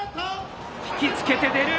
引き付けて、出る。